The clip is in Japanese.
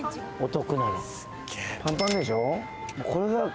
お得なの。